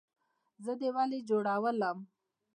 زه دې ولۍ جوړولم؟